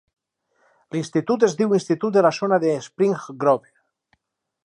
L'institut es diu Institut de la Zona de Spring Grove.